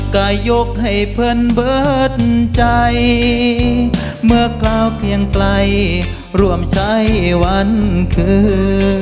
กายยกให้เพิ่นเบิดใจเมื่อเกลาเคียงไกลร่วมใช้วันคืน